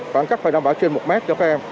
khoảng cách phải đảm bảo trên một mét cho các em